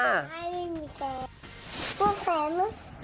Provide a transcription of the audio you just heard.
ไม่มีแฟน